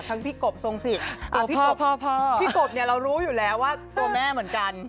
ทั้งพี่กบทรงสิทธิ์พี่กบเรารู้อยู่แล้วว่าตัวแม่เหมือนกัน